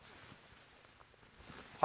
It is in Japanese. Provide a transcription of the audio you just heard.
はい。